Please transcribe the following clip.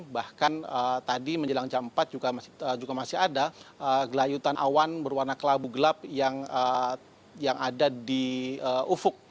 bahkan tadi menjelang jam empat juga masih ada gelayutan awan berwarna kelabu gelap yang ada di ufuk